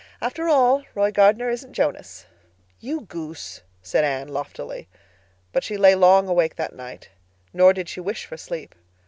After all, Roy Gardner isn't Jonas." "You goose!" said Anne loftily. But she lay long awake that night, nor did she wish for sleep.